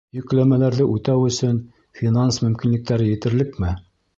Йөкләмәләрҙе үтәү өсөн финанс мөмкинлектәре етерлекме?